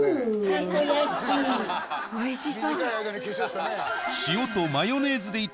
おいしそう。